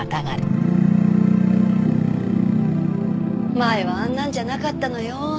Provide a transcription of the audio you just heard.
前はあんなんじゃなかったのよ。